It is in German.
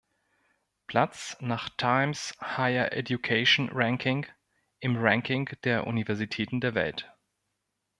Platz nach Times Higher Education Ranking im Ranking der Universitäten der Welt.